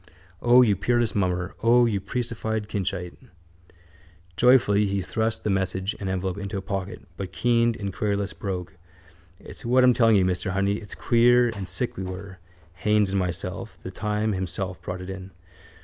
O, you peerless mummer! O, you priestified Kinchite! Joyfully he thrust message and envelope into a pocket but keened in a querulous brogue: —It's what I'm telling you, mister honey, it's queer and sick we were, Haines and myself, the time himself brought it in.